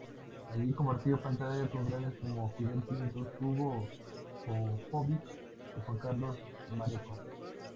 Allí compartió pantalla con grandes como Fidel Pintos, Hugo Sofovich y Juan Carlos Mareco.